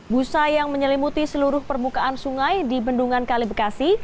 busa yang menyelimuti seluruh permukaan sungai di bendungan kali bekasi